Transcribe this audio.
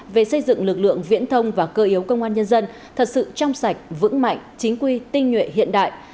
về xây dựng lực lượng viễn thông và cơ yếu công an nhân dân thật sự trong sạch vững mạnh chính quy tinh nhuệ hiện đại